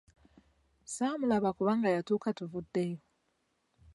Saamulaba kubanga yatuuka tuvuddeyo.